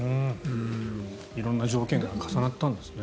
色んな条件が重なったんですね。